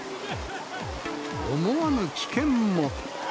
思わぬ危険も。